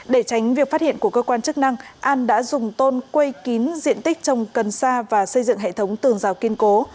để tránh việc phát hiện của cơ quan chức năng an đã dùng tôn quây kín diện tích trồng cần sa và xây dựng hệ thống tường rào kiên cố